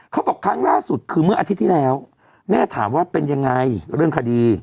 ครั้งล่าสุดคือเมื่ออาทิตย์ที่แล้วแม่ถามว่าเป็นยังไงเรื่องคดี